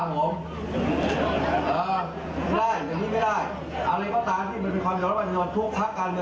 คราวดันทรวรรภ์เป็นผู้ที่ร่วมดู์บ้านทาง